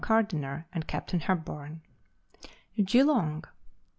Gardiner and Capt. Hepburn. GEELONG.